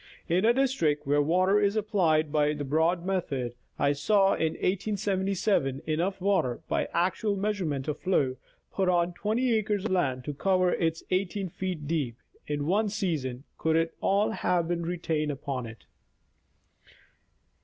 In a district, where water is applied by the broad method, I saw in 1877 enough water, by actual measurement of flow, put on 20 acres of land to cover it 18 feet deep, in one season, could it all have been retained upon it.